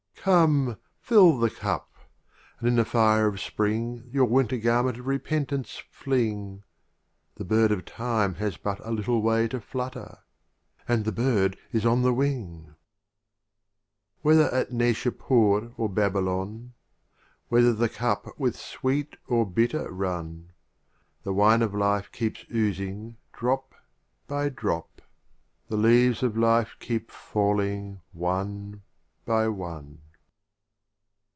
Come, fill the Cup, and in the fire of Spring Your Winter garment of Repent ance fling: The Bird of Time has but a little way To flutter — and the Bird is on the Wing. VIII. Whether at Naishapur or Baby lon, Whether the Cup with sweet or bitter run, The Wine of Life keeps oozing drop by drop, The Leaves of Life keep falling one by one.